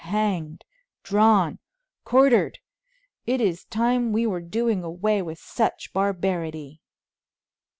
Hanged! Drawn! Quartered! It is time we were doing away with such barbarity.